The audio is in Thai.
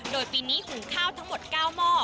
โดยปีนี้หุงข้าวทั้งหมด๙หม้อ